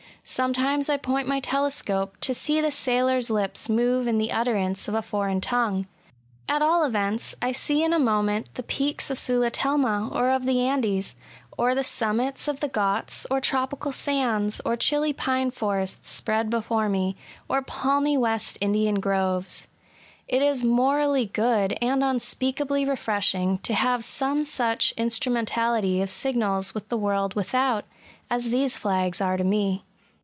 Sometimes I point my telescope, to see the sailors' lips move in the utterance of a foreign tongue: at aU events^ I see in a moment the peaks of Sulitelma or of the Andes, or the summits of the Ghauts, or tropical sands, or chilly pine forests spread before me, or palmy West Indian groves. It is morally good, and unspeakably refreshing, to have some such instrumentality of signals with the world without, as these flags are to me.